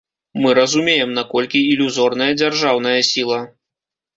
Мы разумеем, наколькі ілюзорная дзяржаўная сіла.